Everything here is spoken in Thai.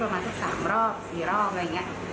ประมาณสัก๓๔รอบอะไรแบบนี้